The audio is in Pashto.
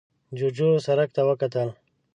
جوجو سرک ته وکتل.